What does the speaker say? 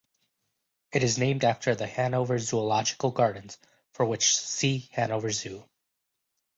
It is named after the Hanover zoological gardens, for which, see Hanover Zoo.